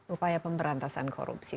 upaya pemberantasan korupsi